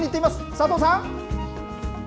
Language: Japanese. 佐藤さん。